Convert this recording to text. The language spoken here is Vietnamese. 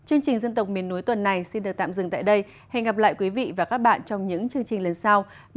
ý kiến đóng góp xây dựng chương trình quý vị và các bạn có thể gửi về hòm thư phòngvăn hóa a nh org vn